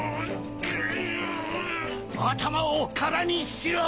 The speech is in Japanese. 頭を空にしろ！